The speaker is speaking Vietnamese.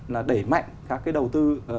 là đẩy mạnh các cái đầu tư